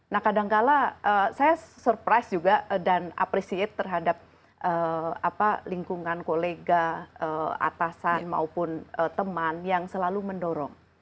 nah kadangkala saya surprise juga dan appreciate terhadap lingkungan kolega atasan maupun teman yang selalu mendorong